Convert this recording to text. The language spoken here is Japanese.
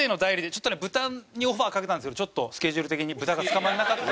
ちょっとねブタにオファーかけたんですけどちょっとスケジュール的にブタがつかまらなかった。